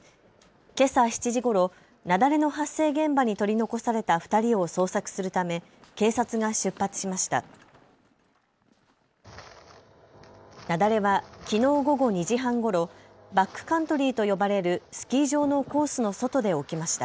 けさ７時ごろ、雪崩の発生現場に取り残された２人を捜索するため警察が出発しました。